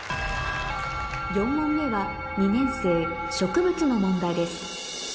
４問目は２年生植物の問題です